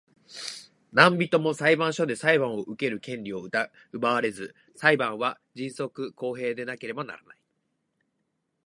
何人（なんびと）も裁判所で裁判を受ける権利を奪われず、裁判は迅速公平でなければならない。